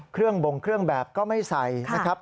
เครื่องบงเครื่องแบบก็ไม่ใส่นะครับ